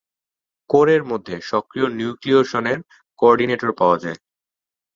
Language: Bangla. কোরের মধ্যে, সক্রিয় নিউক্লিয়েশনের কোঅর্ডিনেটর পাওয়া যায়।